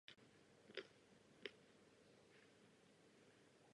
Postupně bylo území rozděleno na čtyři fojtství.